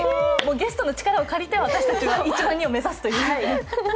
ゲストの力を借りて１万人を目指すという。